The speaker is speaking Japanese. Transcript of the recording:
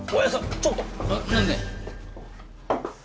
ちょっと何だい